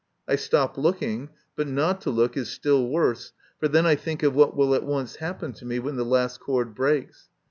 I stop looking, but not to look is still worse, for then I think of what will at once happen to me when the last cord breaks.